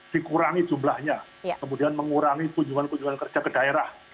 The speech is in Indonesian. dikurangi jumlahnya kemudian mengurangi kunjungan kunjungan kerja ke daerah